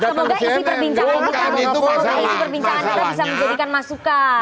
semoga isi perbincangan kita bisa menjadikan masukan